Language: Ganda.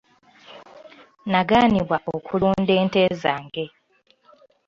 Nagaanibwa okulunda ente zange.